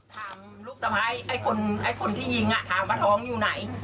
ลูกสะพ้ายไอ้คนที่ยิงถามว่าท้องอยู่ไหน